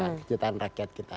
kecetaan rakyat kita